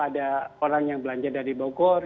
ada orang yang belanja dari bogor